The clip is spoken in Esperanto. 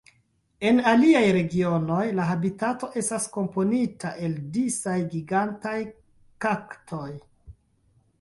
En aliaj regionoj la habitato estas komponita el disaj gigantaj kaktoj.